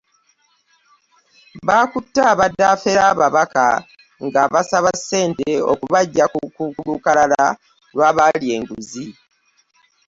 Bakutte abadde afera ababaka nga abasaba ssente okubaggyabku lukalala lw'abalya enguzi.